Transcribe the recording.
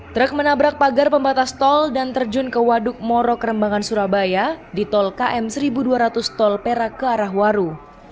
truk menabrak pagar pembatas tol dan terjun ke waduk morok rembangan surabaya di tol km seribu dua ratus tol perak ke arah waru